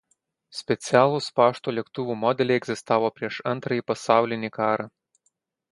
Specialūs pašto lėktuvų modeliai egzistavo prieš Antrąjį pasaulinį karą.